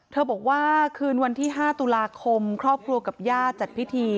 บอกว่าคืนวันที่๕ตุลาคมครอบครัวกับญาติจัดพิธี